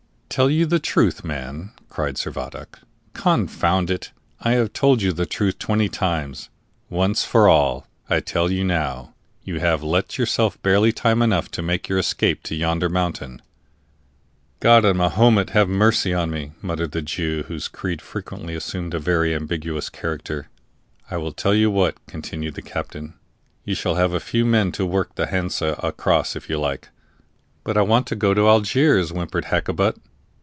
"Tell you the truth, man!" cried Servadac. "Confound it, I have told you the truth twenty times. Once for all, I tell you now, you have left yourself barely time enough to make your escape to yonder mountain." "God and Mahomet have mercy on me!" muttered the Jew, whose creed frequently assumed a very ambiguous character. "I will tell you what," continued the captain "you shall have a few men to work the Hansa across, if you like." "But I want to go to Algiers," whimpered Hakkabut.